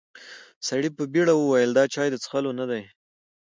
سړي په بيړه وويل: دا چای د څښلو نه دی.